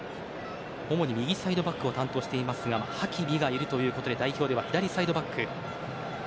主に右サイドバックを担当していますがハキミがいるということで代表では左サイドバック。